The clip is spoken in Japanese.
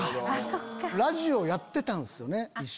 ラジオやってたんですよね一緒に。